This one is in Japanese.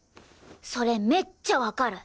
それめっちゃわかる！